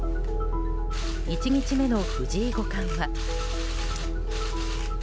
１日目の藤井五冠は。